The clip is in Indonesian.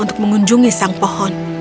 untuk mengunjungi sang pohon